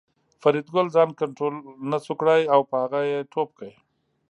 فریدګل ځان کنترول نشو کړای او په هغه یې ټوپ کړ